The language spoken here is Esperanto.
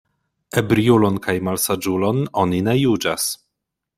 Ebriulon kaj malsaĝulon oni ne juĝas.